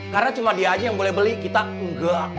karena cuma dia aja yang boleh beli kita nggak